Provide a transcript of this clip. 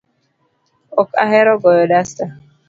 Ok ahero goyo dasta